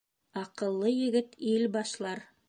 Аҡыллы егет ил башлар